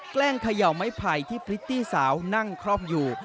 แกล้งเขย่าไม้ไผ่ที่พริตตี้สาวนั่งครอบอยู่